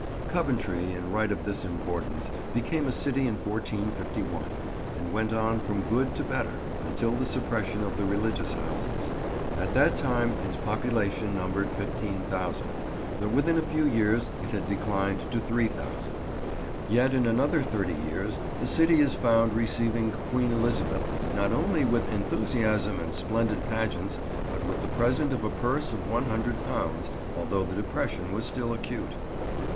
Coventry, in right of this importance, became a city in 1451, and went on from good to better, until the suppression of the religious houses. At that time its population numbered 15,000, but within a few years it had declined to 3000. Yet in another thirty years the city is found receiving Queen Elizabeth not only with enthusiasm and splendid pageants, but with the present of a purse of £100; although the depression was still acute.